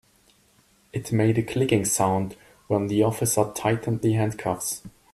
It made a clicking sound when the officer tightened the handcuffs.